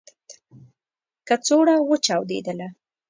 کڅوړه و چاودله .